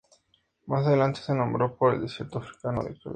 Más adelante se nombró por el desierto africano del Kalahari.